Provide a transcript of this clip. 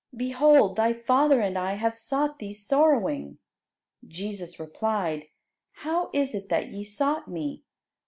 Behold Thy father and I have sought Thee sorrowing." Jesus replied, "How is it that ye sought Me?